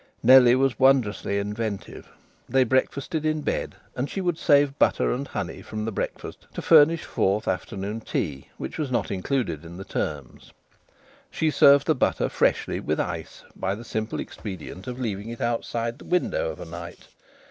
Nellie was wondrously inventive. They breakfasted in bed, and she would save butter and honey from the breakfast to furnish forth afternoon tea, which was not included in the terms. She served the butter freshly with ice by the simple expedient of leaving it outside the window of a night.